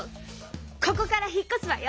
ここから引っこすわよ。